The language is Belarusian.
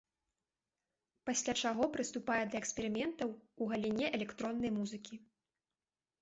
Пасля чаго прыступае да эксперыментаў у галіне электроннай музыкі.